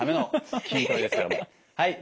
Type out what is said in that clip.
はい。